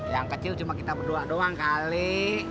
yang kecil cuma kita berdoa doang kali